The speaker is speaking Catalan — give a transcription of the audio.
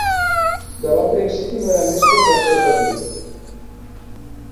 De bon principi no era més que un verger petit